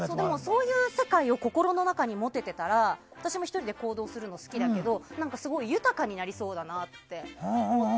そういう世界を心の中に持てていたら私も１人で行動するの好きだけどすごい豊かになりそうだなって思って。